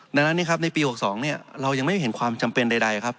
ดังนั้นเนี่ยครับในปี๖๒เนี่ยเรายังไม่เห็นความจำเป็นใดครับ